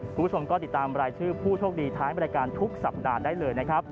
คุณผู้ชมก็ติดตามรายชื่อผู้โชคดีท้ายบริการทุกสัปดาห์ได้เลยนะครับ